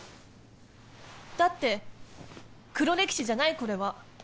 だって黒歴史じゃないこれは。